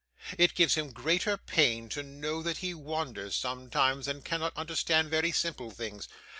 It gives him greater pain to know that he wanders sometimes, and cannot understand very simple things.